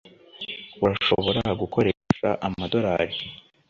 Urashobora gukoresha amadorari .